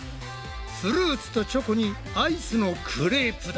フルーツとチョコにアイスのクレープだ。